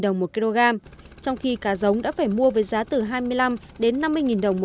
một kg trong khi cá giống đã phải mua với giá từ hai mươi năm đến năm mươi đồng